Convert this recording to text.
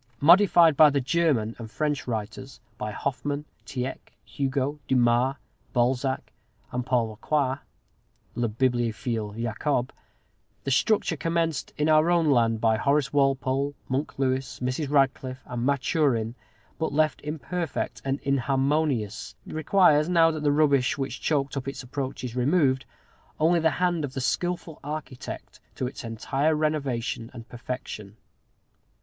Modified by the German and French writers by Hoffman, Tieck, Hugo, Dumas, Balzac, and Paul Lecroix (le Bibliophile Jacob) the structure commenced in our own land by Horace Walpole, Monk Lewis, Mrs. Radcliffe, and Maturin, but left imperfect and inharmonious, requires, now that the rubbish which choked up its approach is removed, only the hand of the skilful architect to its entire renovation and perfection.